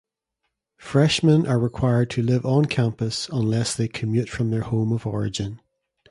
Freshmen are required to live on-campus, unless they commute from their home of origin.